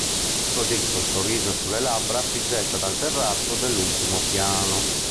Così, col sorriso sulle labbra, si getta dal terrazzo dell'ultimo piano.